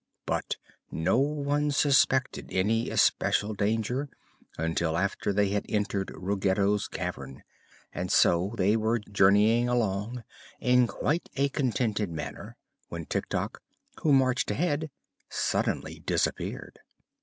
But no one suspected any especial danger until after they had entered Ruggedo's cavern, and so they were journeying along in quite a contented manner when Tik Tok, who marched ahead, suddenly disappeared.